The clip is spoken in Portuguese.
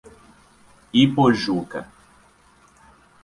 Ipojuca